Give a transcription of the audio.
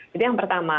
jadi yang pertama